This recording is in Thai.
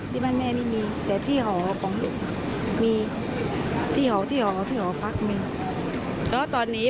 ที่บ้านแม่ไม่มี